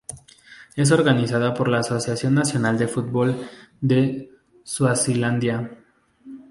Es organizada por la Asociación Nacional de Fútbol de Suazilandia.